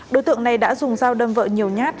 đối tượng này đã dùng dao đâm vợ nhiều nhát